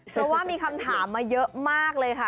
เพราะว่ามีคำถามมาเยอะมากเลยค่ะ